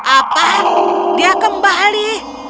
apa dia kembali